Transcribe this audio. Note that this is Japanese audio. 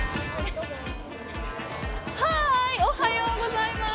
はーい！おはようございます。